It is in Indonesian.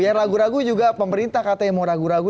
biar ragu ragu juga pemerintah katanya mau ragu ragu